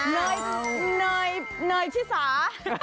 เนยเนยชิสา